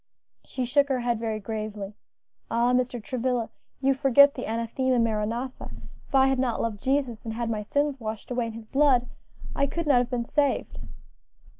She shook her head very gravely. "Ah! Mr. Travilla, you forget the anathema, maranatha; if I had not loved Jesus, and had my sins washed away in His blood, I could not have been saved."